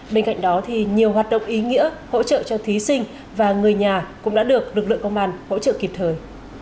bên cạnh đó thì nhiều hoạt động ý nghĩa hỗ trợ cho thí sinh và người nhà cũng đã được lực lượng công an hỗ trợ kịp thời